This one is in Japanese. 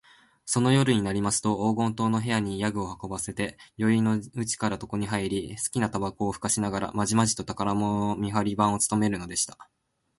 その夜になりますと、黄金塔の部屋に夜具を運ばせて、宵よいのうちから床にはいり、すきなたばこをふかしながら、まじまじと宝物の見はり番をつとめるのでした。